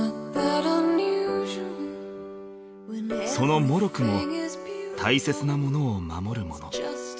［そのもろくも大切なものを守るもの］